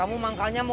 aku mau setelah lo